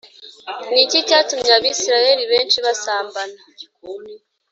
Ni iki cyatumye Abisirayeli benshi basambana